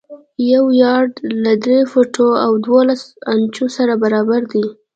یو یارډ له درې فوټو او دولس انچو سره برابر دی.